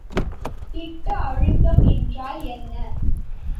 திட்ட அழுத்தம் என்றால் என்ன?